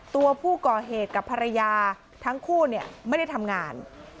ตัวผู้ก่อเหตุกับภรรยาทั้งคู่ไม่ได้ทำงาน